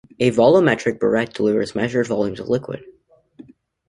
A volumetric burette delivers measured volumes of liquid.